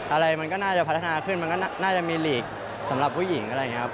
อะไรมันก็น่าจะพัฒนาขึ้นมันก็น่าจะมีลีกสำหรับผู้หญิงอะไรอย่างนี้ครับ